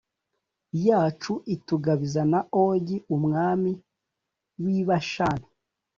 yacu itugabiza na Ogi umwami w i Bashani